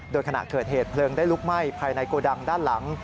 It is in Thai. โดยขณะเกิดเหตุเพลิงได้ลุกไหม้ภายในโกดังด้านหลัง